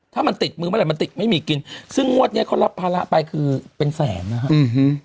ถ้ามันติดมือเมื่อไหร่มันติดไม่มีกินซึ่งงวดเนี้ยเขารับภาระไปคือเป็นแสนนะครับ